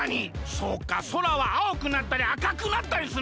そうか空は青くなったりあかくなったりするのか！